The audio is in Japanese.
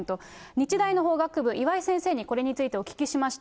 日大の法学部、岩井先生にこれについてお聞きしました。